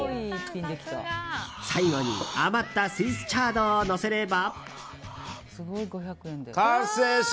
最後に余ったスイスチャードをのせれば。